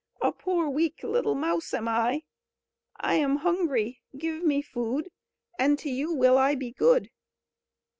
A poor, weak little mouse am I! I am hungry, give me food; And to you will I be good."